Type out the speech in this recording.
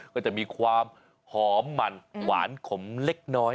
ก็จะมีความหอมมันหวานขมเล็กน้อย